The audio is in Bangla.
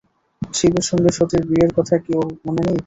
শিবের সঙ্গে সতীর বিয়ের কথা কি ওর মনে নেই?